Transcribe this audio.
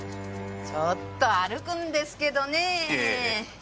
ちょっと歩くんですけどねぇ。